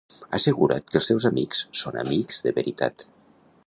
Assegura't que els teus amics són amics de veritat.